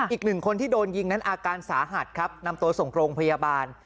อีกหนึ่งคนที่โดนยิงนั้นอาการสาหัสครับนำตัวส่งโรงพยาบาล